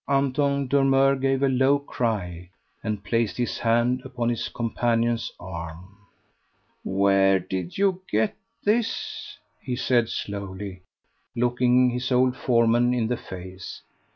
Anton Dormeur gave a low cry, and placed his hand upon his companion's arm. "Where did you get this?" he said slowly, looking his old foreman in the face.